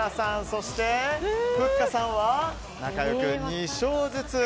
そして、ふっかさんは仲良く２勝ずつ。